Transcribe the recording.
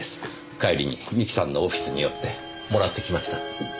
帰りに三木さんのオフィスに寄ってもらってきました。